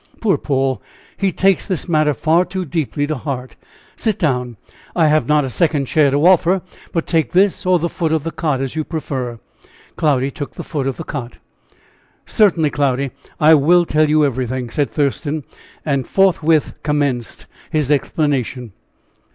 "Poor Paul! he takes this matter far too deeply to heart. Sit down. I have not a second chair to offer, but take this or the foot of the cot, as you prefer." Cloudy took the foot of the cot. "Certainly, Cloudy, I will tell you everything," said Thurston, and forthwith commenced his explanation.